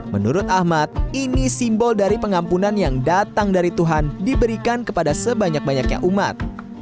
menurut ahmad ini simbol dari pengampunan yang datang dari tuhan diberikan kepada sebanyak banyaknya umat